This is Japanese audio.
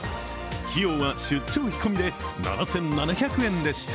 費用は出張費込みで７７００円でした。